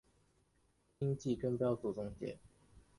今季争标组总结。